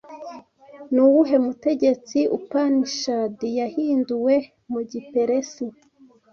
Ni uwuhe mutegetsi Upanishad yahinduwe mu Giperesi